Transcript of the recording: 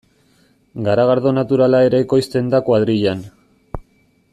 Garagardo naturala ere ekoizten da kuadrillan.